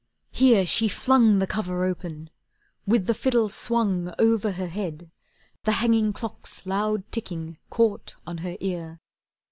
Here she flung The cover open. With the fiddle swung Over her head, the hanging clock's loud ticking Caught on her ear.